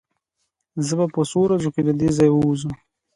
زه به په څو ورځو کې له دې ځايه ووځم.